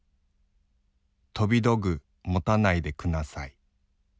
とびどぐもたないでくなさい。